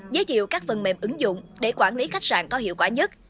giới thiệu các phần mềm ứng dụng để quản lý khách sạn có hiệu quả nhất